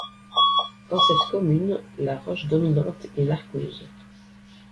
Dans cette commune, la roche dominante est l'arkose.